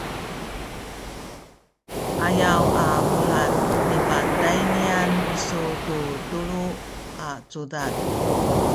ayaw a bulad nipatayniyan isu tu tuluway cudad